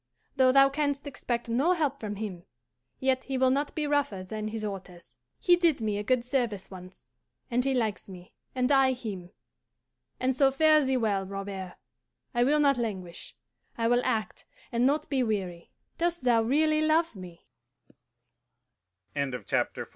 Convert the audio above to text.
Though thou canst expect no help from him, yet he will not be rougher than his orders. He did me a good service once, and he likes me, and I him. And so fare thee well, Robert. I will not languish; I will act, and not be weary. Dost thou really love me?"